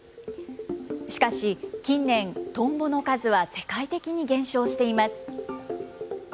しかし近年、トンボの数は世界的に減少しています。